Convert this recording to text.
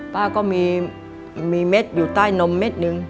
ป้าก็มีเม็ดอยู่ใต้นมเม็ดนึง